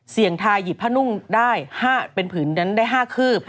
ทายหยิบผ้านุ่งได้เป็นผืนนั้นได้๕คืบ